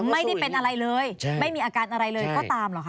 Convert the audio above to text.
ไม่ได้เป็นอะไรเลยไม่มีอาการอะไรเลยก็ตามหรอคะ